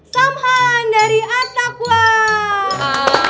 samhan dari attaquah